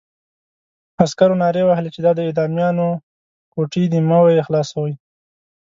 عسکرو نارې وهلې چې دا د اعدامیانو کوټې دي مه یې خلاصوئ.